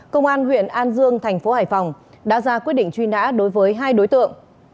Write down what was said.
công an huyện an dương thành phố hải phòng đã ra quyết định truy nã đối với hai đối tượng